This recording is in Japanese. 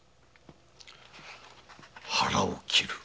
腹を切る。